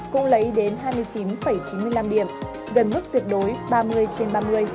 cũng lấy đến hai mươi chín chín mươi năm điểm gần mức tuyệt đối ba mươi trên ba mươi